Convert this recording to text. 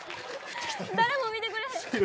誰も見てくれへん。